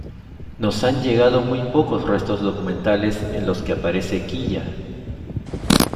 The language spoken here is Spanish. Nos han llegado muy pocos restos documentales en los que aparece Kiya.